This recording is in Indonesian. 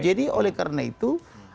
jadi oleh karena itu